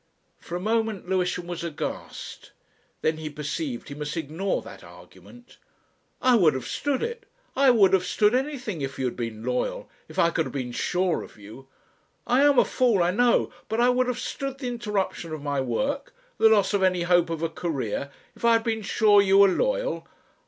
For a moment Lewisham was aghast. Then he perceived he must ignore that argument. "I would have stood it I would have stood anything if you had been loyal if I could have been sure of you. I am a fool, I know, but I would have stood the interruption of my work, the loss of any hope of a Career, if I had been sure you were loyal.